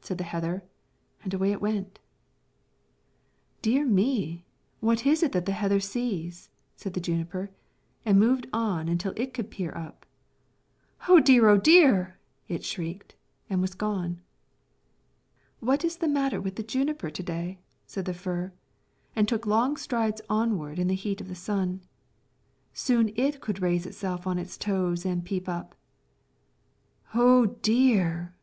said the heather, and away it went. "Dear me! what is it the heather sees?" said the juniper, and moved on until it could peer up. "Oh dear, oh dear!" it shrieked, and was gone. "What is the matter with the juniper to day?" said the fir, and took long strides onward in the heat of the sun. Soon it could raise itself on its toes and peep up. "Oh dear!"